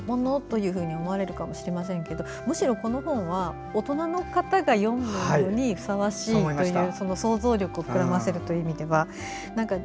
絵本って子どものものと思われるかもしれませんがむしろこの本は、大人の方が読むのにふさわしいという想像力を膨らませるという意味では。